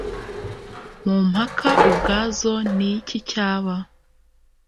mu mpaka ubwazo niki cyaba